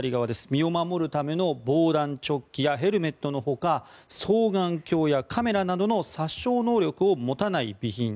身を守るための防弾チョッキやヘルメットのほか双眼鏡やカメラなどの殺傷能力を持たない備品。